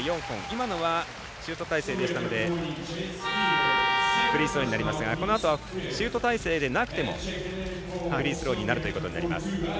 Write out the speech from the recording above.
今のは、シュート体勢でしたのでフリースローになりますがこのあとはシュート体勢でなくてもフリースローになるということになります。